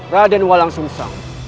raden walang susang